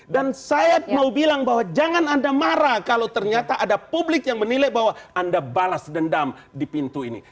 dan saya mau bilang bahwa jangan anda marah kalau ternyata ada publik yang menilai bahwa anda balas dendam di pintu ini